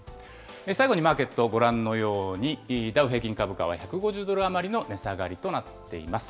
最後にマーケット、ご覧のように、ダウ平均株価は１５０ドル余りの値下がりとなっています。